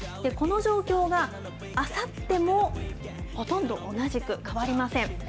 この状況が、あさってもほとんど同じく、変わりません。